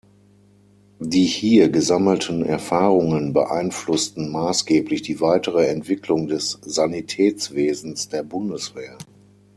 Die hier gesammelten Erfahrungen beeinflussten maßgeblich die weitere Entwicklung des Sanitätswesens der Bundeswehr.